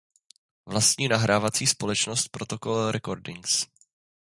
Vlastní nahrávací společnost "Protocol Recordings".